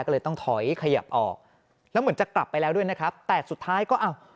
ก็เลยต้องถอยขยับออกแล้วเหมือนจะกลับไปแล้วด้วยนะครับแต่สุดท้ายก็อ้าว